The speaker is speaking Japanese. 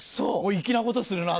粋なことするなと。